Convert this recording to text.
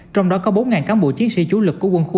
trong đó có bốn cán bộ chiến sĩ chủ lực của quân khu